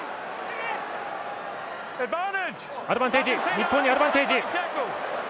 日本にアドバンテージ。